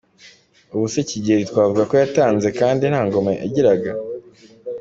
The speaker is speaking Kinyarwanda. Ubuse Kigeli twavuga ko yatanze kandi nta Ngoma yagiraga?